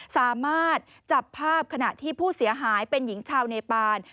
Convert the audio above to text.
สามารถจับภาพขณะที่ผู้เสียหายเป็นหญิงชาวเนปาน